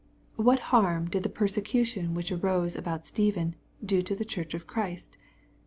What harm did the "persecution which arose about Stephen" do to the Church of Christ